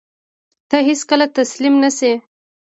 ته هېڅکله تسلیم نه شې.